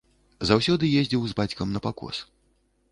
Заўсёды ездзіў з бацькам на пакос.